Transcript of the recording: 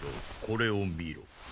これを見ろ。